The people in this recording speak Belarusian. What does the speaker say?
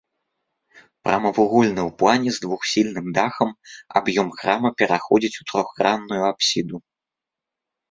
Прамавугольны ў плане з двухсхільным дахам аб'ём храма пераходзіць у трохгранную апсіду.